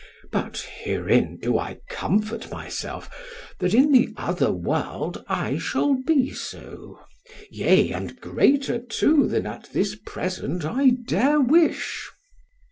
But herein do I comfort myself, that in the other world I shall be so, yea and greater too than at this present I dare wish.